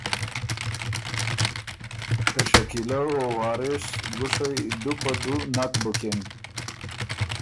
که شکیلۀ او وارث ګُوشئ دُو په دُو نک بُکِن۔